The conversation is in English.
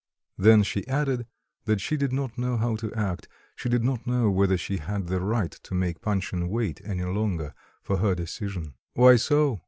Then she added that she did not know how to act she did not know whether she had the right to make Panshin wait any longer for her decision. "Why so?"